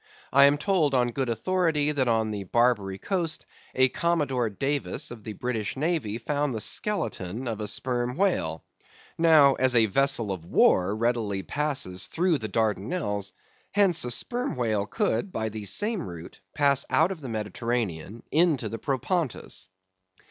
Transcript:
I am told, on good authority, that on the Barbary coast, a Commodore Davis of the British navy found the skeleton of a sperm whale. Now, as a vessel of war readily passes through the Dardanelles, hence a sperm whale could, by the same route, pass out of the Mediterranean into the Propontis.